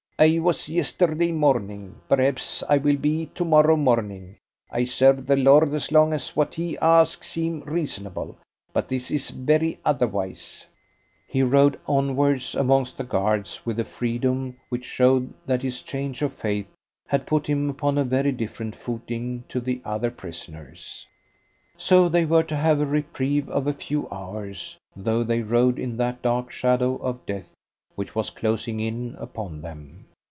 "I was yesterday morning. Perhaps I will be to morrow morning. I serve the Lord as long as what He ask seem reasonable; but this is very otherwise." He rode onwards amongst the guards with a freedom which showed that his change of faith had put him upon a very different footing to the other prisoners. So they were to have a reprieve of a few hours, though they rode in that dark shadow of death which was closing in upon them.